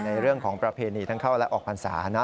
ในเรื่องของประเพณีทั้งเข้าและออกพรรษานะ